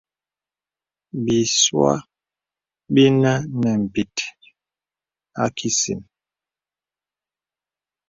Bìsua bìnə nə̀ m̀bìt a kìsìn.